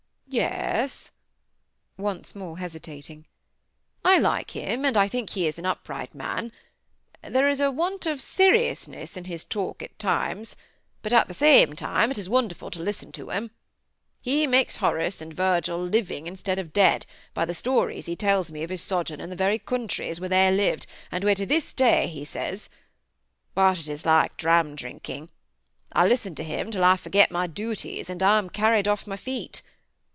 "Yes," (once more hesitating,) "I like him, and I think he is an upright man; there is a want of seriousness in his talk at times, but, at the same time, it is wonderful to listen to him! He makes Horace and Virgil living, instead of dead, by the stories he tells me of his sojourn in the very countries where they lived, and where to this day, he says—But it is like dram drinking. I listen to him till I forget my duties, and am carried off my feet.